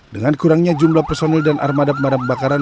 dengan kurangnya jumlah personil dan armada pemadam kebakaran